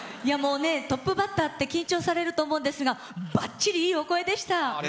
トップバッターって緊張されると思うんですがばっちり、いいお声でした。